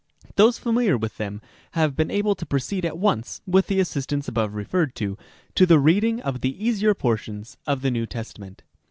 Those familiar with them have been able to proceed at once (with the assistance above referred to) to the reading of the easier portions of the New Testament.